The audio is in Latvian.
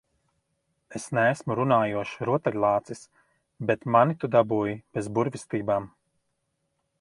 Es neesmu runājošs rotaļlācis, bet mani tu dabūji bez burvestībām.